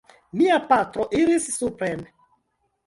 Mia patro iris supren.